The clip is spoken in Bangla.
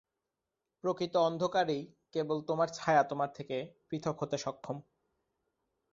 বাংলাদেশের স্বাধীনতার বীজ নিহিত ছিলো লাহোর প্রস্তাবের মাঝে।